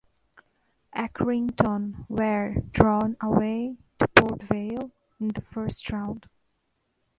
Accrington were drawn away to Port Vale in the first round.